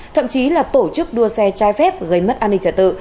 thậm chí là tổ chức đua xe trái phép gây mất an ninh trả tự